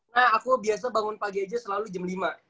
nah aku biasa bangun pagi aja selalu jam lima